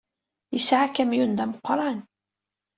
Yesɛa akamyun d ameqqran.